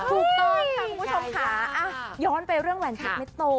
ถูกต้องค่ะคุณผู้ชมค่ะย้อนไปเรื่องแหวนเพชรเม็ดโต